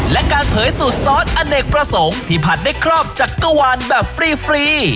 และการเผยสูตรซอสอเนกประสงค์ที่ผัดได้ครอบจักรวาลแบบฟรี